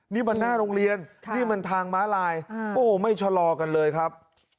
นี่มันหน้าโรงเรียนนี่มันทางม้าลายโอ้ไม่ชะลอกันเลยครับ